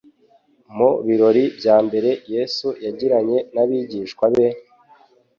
Mu birori bya mbere Yesu yagiranye n’abigishwa be,